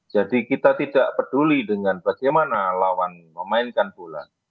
jadi kita tidak peduli dengan bagaimana lawan memainkan bola